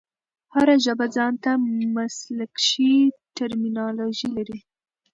هره ژبه ځان ته مسلکښي ټرمینالوژي لري.